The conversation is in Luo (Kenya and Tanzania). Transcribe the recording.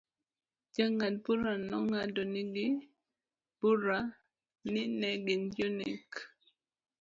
Jang'ad bura nong'adnegi bura ni ne gin jonek.